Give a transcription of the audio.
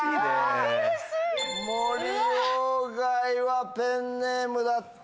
森外はペンネームだった！